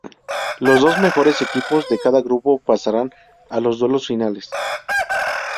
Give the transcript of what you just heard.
Los dos mejores equipos de cada grupo pasarán a los duelos finales.